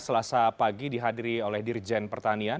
selasa pagi dihadiri oleh dirjen pertanian